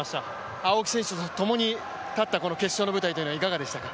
青木選手とともに立った決勝の舞台はいかがでしたか？